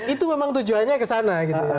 itu memang tujuannya ke sana gitu